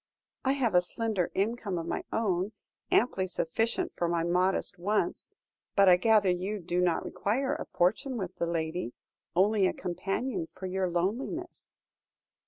'I have a slender income of my own amply sufficient for my modest wants but I gather you do not require a fortune with the lady only a companion for your loneliness.'